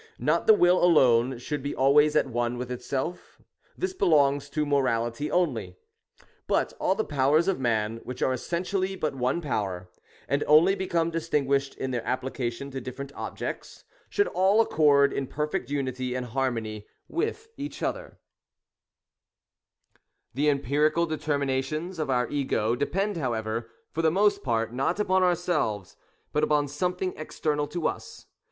Not the Will alone should be always at one with itself, — this belongs to morality only; — but all the powers of man, which are essentially but one power, and only be come distinguished in their application to different objects, should all accord in perfect unity and harmony with each other. i.irri ki: i. The empirical determinations oi' our Ego depend however, for the most part, not upon ourselves but upon something external to us.